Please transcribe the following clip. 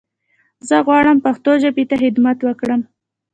زه غواړم پښتو ژبې ته خدمت وکړم.